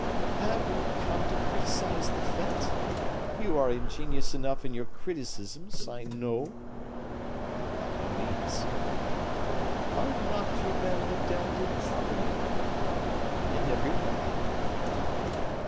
"Have you come to criticise the fete? You are ingenious enough in your criticisms, I know." "By no means." "Are not your men looked after properly?" "In every way."